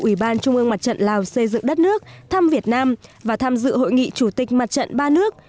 ủy ban trung ương mặt trận lào xây dựng đất nước thăm việt nam và tham dự hội nghị chủ tịch mặt trận ba nước